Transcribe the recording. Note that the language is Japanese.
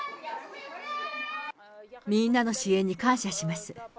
みんなの支援に感謝します。